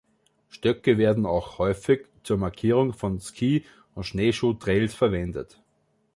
Stöcke werden auch häufig zur Markierung von Ski- und Schneeschuhtrails verwendet.